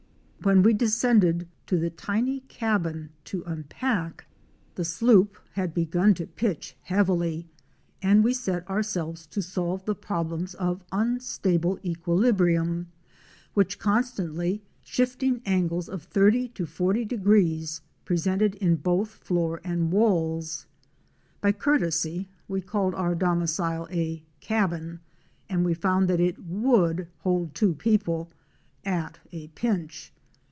When we descended to the tiny cabin to unpack, 71 72 OUR SEARCH FOR A WILDERNESS. the sloop had begun to pitch heavily and we set ourselves to solve the problems of unstable equilibrium, which constantly shifting angles of 30° to 4o° presented in both floor and walls. By courtesy we called our domicile a cabin, and we found that it would hold two people —at a pinch!